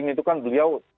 itu kan beliau